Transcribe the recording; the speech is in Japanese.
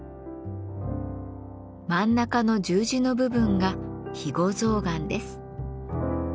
真ん中の十字の部分が肥後象がんです。